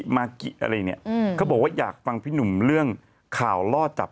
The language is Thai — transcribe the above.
แบบนี้อยากฟังพี่หนุ่มเรื่องข่าวล่อจับ